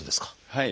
はい。